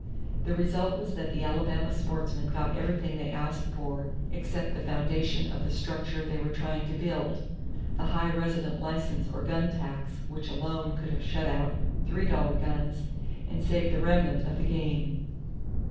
The result was that the Alabama sportsmen got everything they asked for except the foundation of the structure they were trying to build, the high resident license or gun tax which alone could have shut out three dollar guns and saved the remnant of the game.